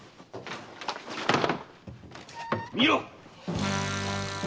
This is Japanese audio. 見ろ！